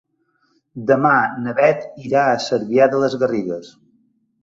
Demà na Beth irà a Cervià de les Garrigues.